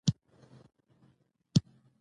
هرکله چې چېرته ځې نو په وخت ځه، په وخت راځه!